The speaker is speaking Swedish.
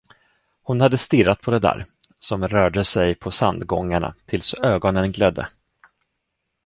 Hon hade stirrat på det där, som rörde sig på sandgångarna, tills ögonen glödde.